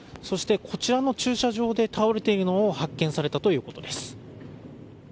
そして、こちらの駐車場で倒れているのを発見されたということです。